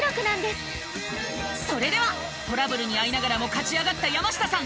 それではトラブルに遭いながらも勝ち上がった山下さん